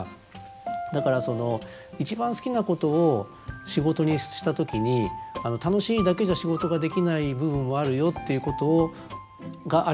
だから一番好きなことを仕事にした時に楽しいだけじゃ仕事ができない部分はあるよっていうことがありますよね。